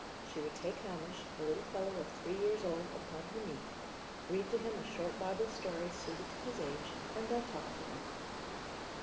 She would take Hamish, a little fellow of three years old, upon her knee, read to him a short Bible story, suited to his age, and then talk to him.